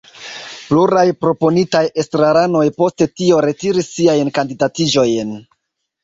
Pluraj proponitaj estraranoj post tio retiris siajn kandidatiĝojn.